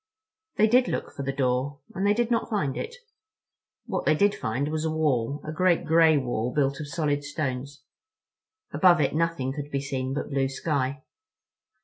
They did look for the door. And they did not find it. What they did find was a wall—a great gray wall built of solid stones—above it nothing could be seen but blue sky.